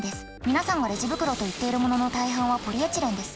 皆さんがレジ袋といっているものの大半はポリエチレンです。